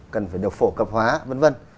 cần phải được phổ cập hóa vân vân